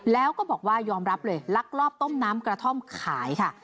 แล้วก็บอกว่ายอมรับเลยลักลอบต้มน้ำกระท่อมขายค่ะ